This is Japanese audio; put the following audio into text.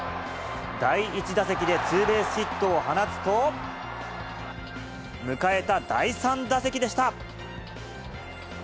第１打席でツーベースヒットを放つと、迎えた第３打席でした。